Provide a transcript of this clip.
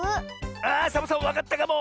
あサボさんわかったかも！